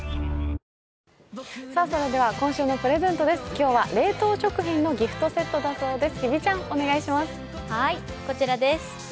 今日は冷凍食品のギフトセットだそうです。